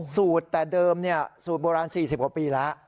สูตรแต่เดิมสูตรโบราณ๔๐กว่าปีแล้ว